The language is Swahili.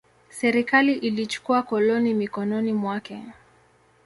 Serikali ilichukua koloni mikononi mwake.